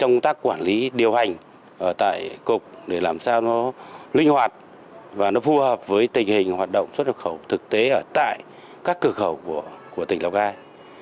nỗ lực này phù hợp với tình hình hoạt động xuất được khẩu thực tế ở tải các cửa khẩu của tỉnh lào cai